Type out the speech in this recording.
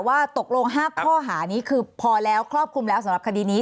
ว่าตกลง๕ข้อหานี้คือพอแล้วครอบคลุมแล้วสำหรับคดีนี้